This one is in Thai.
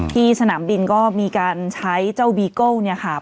สนามบินก็มีการใช้เจ้าบีโก้เนี่ยค่ะ